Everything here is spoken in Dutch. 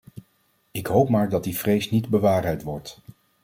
Ik hoop maar dat die vrees niet bewaarheid wordt.